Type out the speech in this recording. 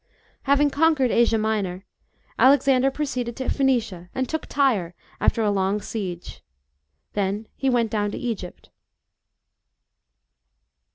Having conquered Asia Minor, Alexander pro ceeded to Phoenicia and took Tyre after a long siege. Then he went down into Egypt.